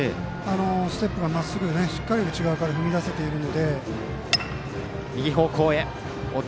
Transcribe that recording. ステップがまっすぐ、しっかり内側から踏み出せているので。